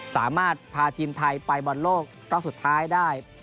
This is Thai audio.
สามารถพาทีมไทยไปบอลโลกรอบสุดท้ายได้